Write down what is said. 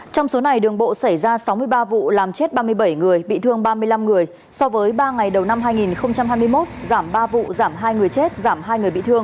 trong số này đường bộ xảy ra sáu mươi ba vụ làm chết ba mươi bảy người bị thương ba mươi năm người so với ba ngày đầu năm hai nghìn hai mươi một giảm ba vụ giảm hai người chết giảm hai người bị thương